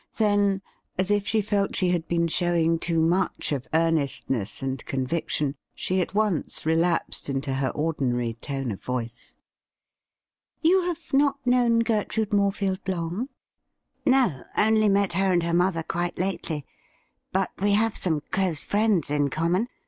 Then, as if she felt she had been showing too much of earnestness and conviction, she at once relapsed into her ordinary tone of voice. ' You have not known Gertrude Morefield long ?'' No ; only met her and her mother quite lately. But we have some close friends in common.